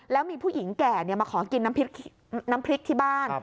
แล้วมีผู้หญิงแก่มาขอกินน้ำพริกที่บ้าน